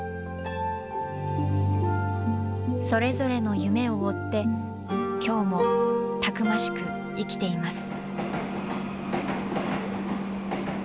それぞれの夢を追って、きょうもたくましく生きています。